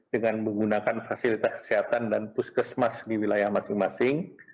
dengan menggunakan fasilitas kesehatan dan puskesmas di wilayah masing masing